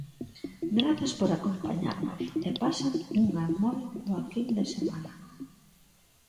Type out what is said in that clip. Grazas por acompañarnos e pasen unha moi boa fin de semana.